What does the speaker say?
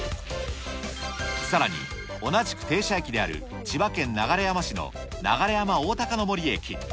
さらに、同じく停車駅である千葉県流山市の流山おおたかの森駅。